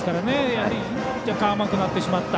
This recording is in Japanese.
やはり若干甘くなってしまった。